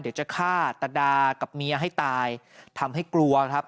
เดี๋ยวจะฆ่าตะดากับเมียให้ตายทำให้กลัวครับ